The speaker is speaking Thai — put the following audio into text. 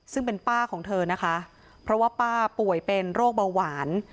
ซึ่งเป็นป้าของเธอนะคะเพราะว่าป้าป่วยเป็นโรคเบาหวาน